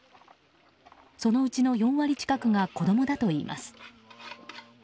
そのうちの４割近くが子供だといいます。